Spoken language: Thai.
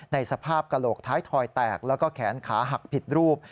ในสภาพกระโหลกท้ายถอยแตกแล้วก็แขนขาหักผิดรูป